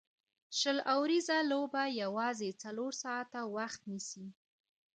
شل اووريزه لوبه یوازي څلور ساعته وخت نیسي.